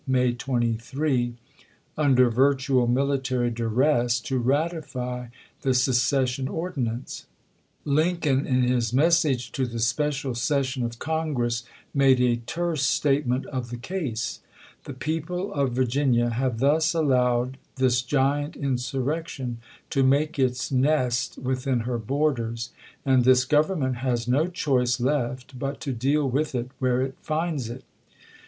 May 23, under virtual military duress, to ratify the se cession ordinance. Lincoln, in his message to the special session of Congress, made a terse statement of the case :" The people of Virginia have thus allowed this giant insurrection to make its nest within her borders ; and this Government has no choice left but to deal with it where it finds it."